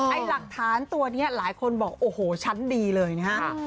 ไอ้หลักฐานตัวนี้หลายคนบอกโอ้โหชั้นดีเลยนะฮะ